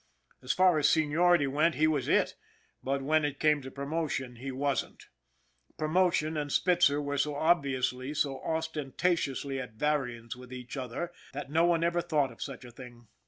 As far as seniority went he was it, but when it came to promotion he wasn't. Promotion and Spitzer were so obviously, so ostenta tiously at variance with each other that no one ever thought of such a thing.